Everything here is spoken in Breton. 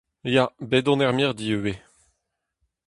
Ya, bet on er mirdi ivez.